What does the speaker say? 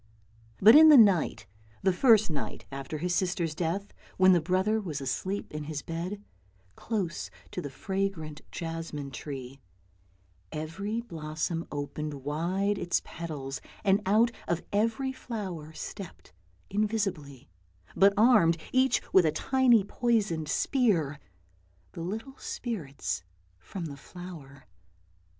But in the night, the first night after his sister's death, when the brother was asleep in his bed, close to the fragrant jasmine tree, every blossom opened wide its petals, and out of every flower stepped invisibly, but armed each with a tiny poisoned spear, the little spirits from the flower.